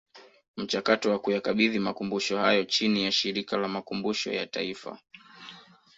Mchakato wa kuyakabidhi Makumbusho hayo chini ya Shirika la Makumbusho ya Taifa